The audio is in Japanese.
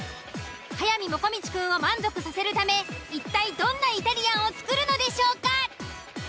速水もこみちくんを満足させるため一体どんなイタリアンを作るのでしょうか。